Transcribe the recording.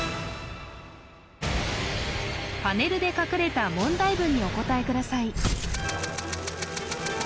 パネルで書かれた問題文にお答えください